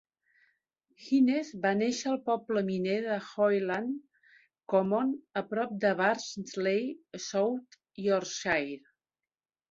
Hines va néixer al poble miner de Hoyland Common a prop de Barnsley, South Yorkshire.